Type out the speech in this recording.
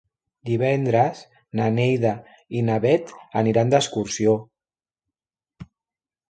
Divendres na Neida i na Bet aniran d'excursió.